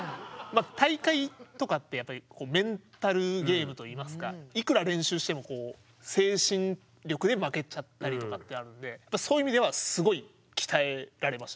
大会とかってやっぱりメンタルゲームといいますかいくら練習してもこう精神力で負けちゃったりとかってあるのでそういう意味ではすごい鍛えられましたよね